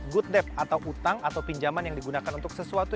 good debt atau utang atau pinjaman yang digunakan untuk sesuatu